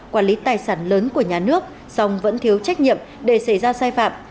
quản lý tài sản lớn của nhà nước song vẫn thiếu trách nhiệm để xảy ra sai phạm